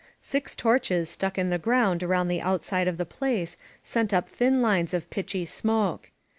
Six torches stuck in the ground around the outside of the place sent up thin lines of pitchy smoke.